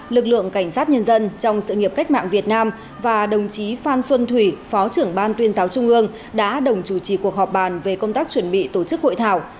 lực lượng cảnh sát nhân dân trong sự nghiệp cách mạng việt nam và đồng chí phan xuân thủy phó trưởng ban tuyên giáo trung ương đã đồng chủ trì cuộc họp bàn về công tác chuẩn bị tổ chức hội thảo